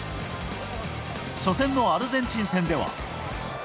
初戦のアルゼンチン戦では。